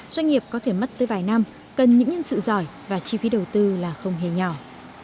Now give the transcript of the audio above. doanh nghiệp có thể mất tới vài năm cần những nhân sự giỏi và chi phí đầu tư là không hề nhỏ